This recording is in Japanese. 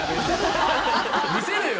見せろよ！